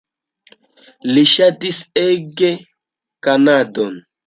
Li ŝatis ege Kanadon.